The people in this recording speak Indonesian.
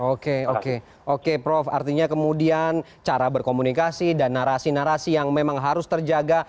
oke oke prof artinya kemudian cara berkomunikasi dan narasi narasi yang memang harus terjaga